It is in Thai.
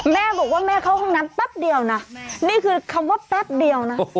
แม่บอกว่าแม่เข้าห้องน้ำแป๊บเดียวนะนี่คือคำว่าแป๊บเดียวนะ